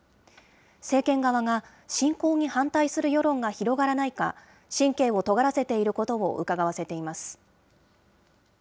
政権側が、侵攻に反対する世論が広がらないか、神経をとがらせていることをうかがわせています。